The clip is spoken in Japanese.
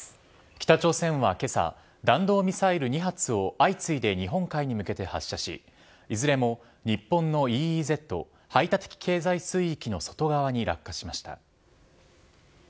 北朝鮮は今朝弾道ミサイル２発を相次いで日本海に向けて発射しいずれも日本のＥＥＺ＝排他的経済水域の外側に落下しました。